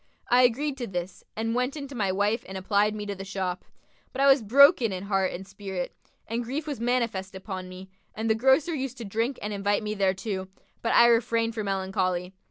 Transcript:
I agreed to this and went in to my wife and applied me to the shop. But I was broken in heart and spirit, and grief was manifest upon me; and the grocer used to drink and invite me thereto, but I refrained for melancholy.